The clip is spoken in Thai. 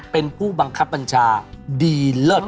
เป็นผู้บังคับบัญชาดีเลิศ